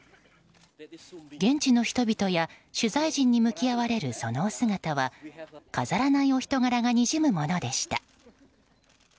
現地の人々や取材陣に向き合われる、そのお姿は飾らないお人柄がにじむものでした。